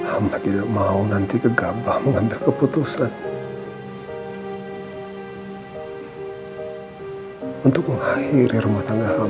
amba tidak mau nanti kegabah mengambil keputusan untuk mengakhiri rumah tangga amba ya allah